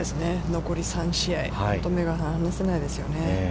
残り３試合、本当に目が離せないですよね。